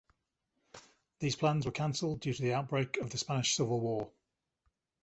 These plans were cancelled due to the outbreak of the Spanish Civil War.